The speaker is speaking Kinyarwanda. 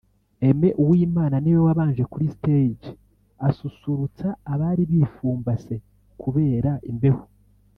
Aime Uwimana ni we wabanje kuri stage asusurutsa abari bipfumbase kubera imbeho